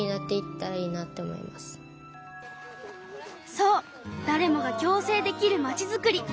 そうだれもが共生できる町づくり。